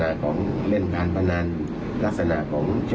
และก็ไม่ได้ยัดเยียดให้ทางครูส้มเซ็นสัญญา